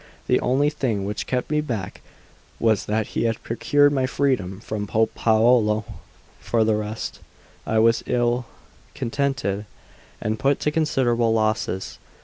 The only thing which kept me back was that he had procured my freedom from Pope Paolo; for the rest, I was ill contented and put to considerable losses.